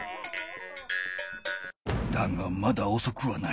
だがまだおそくはない。